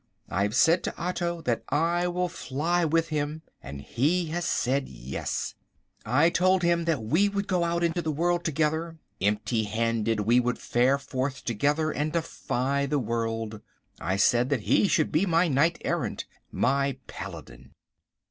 I have said to Otto that I will fly with him, and he has said yes. I told him that we would go out into the world together; empty handed we would fare forth together and defy the world. I said that he should be my knight errant, my paladin!